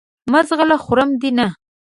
مه ځغله خورم دې نه !